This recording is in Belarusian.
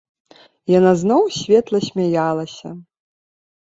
Яна зноў светла смяялася.